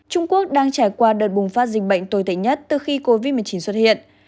trung quốc đang trải qua đợt bùng phát dịch bệnh tồi tệ nhất từ khi covid một mươi chín xuất hiện